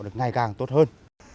được ngày càng tốt hơn